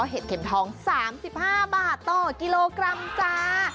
เห็ดเข็มทอง๓๕บาทต่อกิโลกรัมจ้า